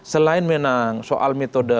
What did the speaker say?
selain memang soal metode